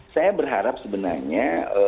saya berharap sebenarnya